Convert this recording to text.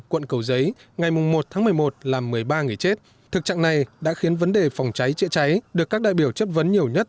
quận cầu giấy ngày một tháng một mươi một làm một mươi ba người chết thực trạng này đã khiến vấn đề phòng cháy chữa cháy được các đại biểu chất vấn nhiều nhất